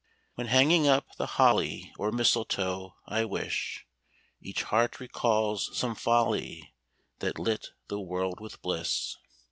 When hanging up the holly or mistletoe, I wis Each heart recalls some folly that lit the world with bliss.